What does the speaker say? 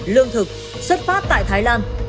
lương thực xuất phát tại thái lan